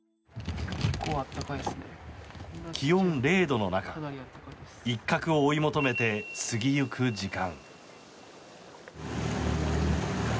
気温０度の中イッカクを追い求めて過ぎゆく時間。